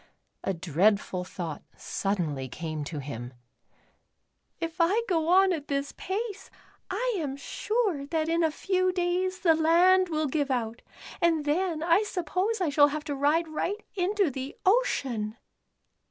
A dreadful thought suddenly came to him —'* If I go on at this pace I am sure that in a few days the land will give out, and then I suppose I shall have to ride right into the ocean."